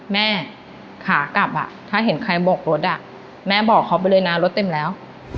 แม่ขากลับถ้าเห็นใครบกรถแม่บอกเขาไปเลยนะรถเต็มแล้ว